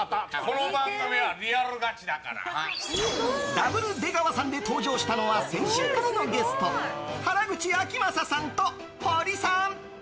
ダブル出川さんで登場したのは先週からのゲスト原口あきまささんとホリさん。